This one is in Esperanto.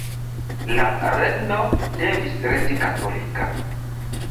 La „regno“ devis resti katolika.